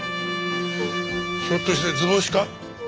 ひょっとして図星か？